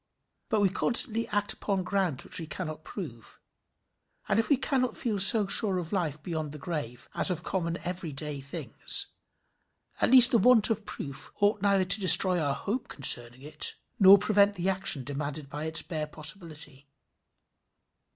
But we constantly act upon grounds which we cannot prove, and if we cannot feel so sure of life beyond the grave as of common every day things, at least the want of proof ought neither to destroy our hope concerning it, nor prevent the action demanded by its bare possibility.